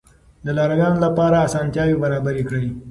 د لارويانو لپاره اسانتیاوې برابرې کړئ.